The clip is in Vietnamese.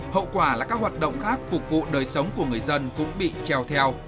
hậu quả là các hoạt động khác phục vụ đời sống của người dân cũng bị treo theo